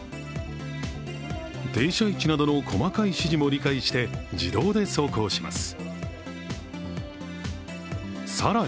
停車位置などの細かい指示も理解して自動で走行します。